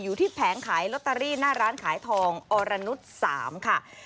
อยู่ที่แผงขายลอตเตอรี่หน้าร้านขายทองอรนุษย์๓ค่ะ